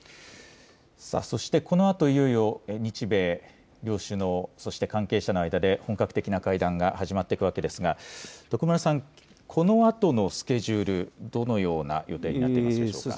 そしてこのあといよいよ、日米両首脳そして関係者の間で本格的な会談が始まっていくわけですが徳丸さん、このあとのスケジュール、どのような予定になっていますでしょうか。